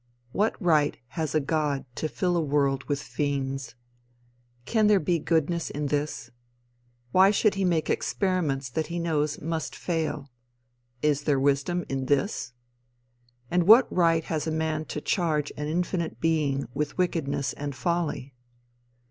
What right has a god to fill a world with fiends? Can there be goodness in this? Why should he make experiments that he knows must fail? Is there wisdom in this? And what right has a man to charge an infinite being with wickedness and folly?